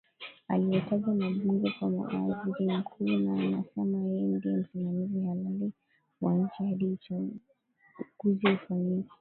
aliyetajwa na bunge kama waziri mkuu, na anasema yeye ndie msimamizi halali wa nchi hadi uchaguzi ufanyike